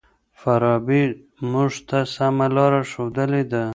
فارابي موږ ته سمه لار ښودلې ده.